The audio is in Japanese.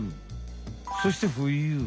そして冬。